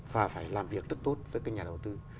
và phải làm việc rất tốt với các nhà đầu tư